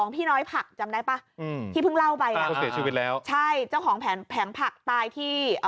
๒พี่น้อยผักจำได้ปะที่เพิ่งเล่าไปอะอ่ะเช่าของแผงผักใต้ที่